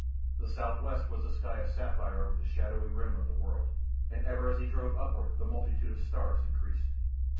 The southwest was a sky of sapphire over the shadowy rim of the world, and ever as he drove upward the multitude of stars increased.